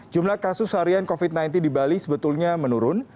jumlah kasus harian covid sembilan belas di bali sebetulnya menurun